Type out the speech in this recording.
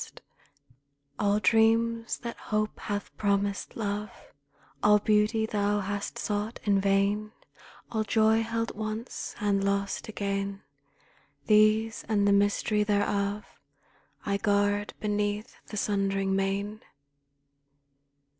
6 7 THE SIREN'S SONG All dreams that Hope hath promised Love, All beauty thou hast sought in vain, All joy held once and lost again, These, and the mystery thereof, I guard beneath the sundering main.